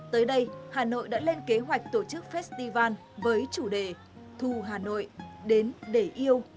tới đây hà nội đã lên kế hoạch tổ chức festival với chủ đề thu hà nội đến để yêu